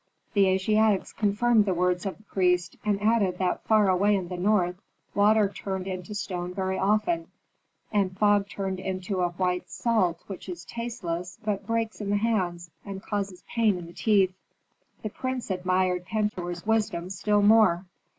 The Asiatics confirmed the words of the priest, and added that far away in the north, water turned into stone very often, and fog turned into a white salt which is tasteless, but breaks in the hands and causes pain in the teeth. The prince admired Pentuer's wisdom still more.